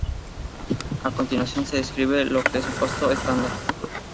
A continuación se describe lo que es un Costo Estándar.